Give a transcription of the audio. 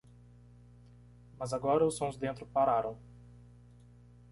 Mas agora os sons dentro pararam.